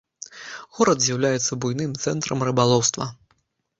Горад з'яўляецца буйным цэнтрам рыбалоўства.